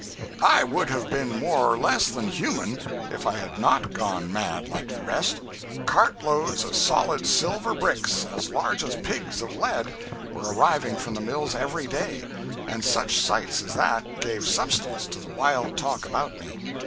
I would have been more or less than human if I had not gone mad like the rest. Cart loads of solid silver bricks, as large as pigs of lead, were arriving from the mills every day, and such sights as that gave substance to the wild talk about me.